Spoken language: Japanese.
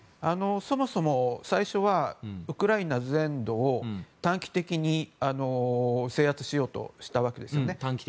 そもそも最初はウクライナ全土を短期的に制圧しようとしたわけです。